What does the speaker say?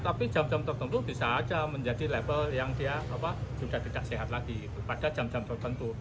tapi jam jam tertentu bisa saja menjadi level yang dia sudah tidak sehat lagi pada jam jam tertentu